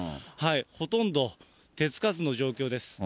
ほとんど手つかずの状況です。